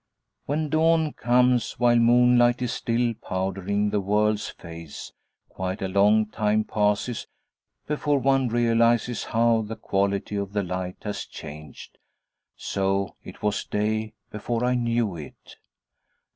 When dawn comes, while moonlight is still powdering the world's face, quite a long time passes before one realizes how the quality of the light has changed; so it was day before I knew it.